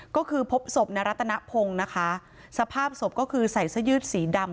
ก็คือพบศพในรัตนพงศ์นะคะสภาพศพก็คือใส่เสื้อยืดสีดำ